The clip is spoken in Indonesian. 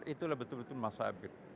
itulah betul betul al masabir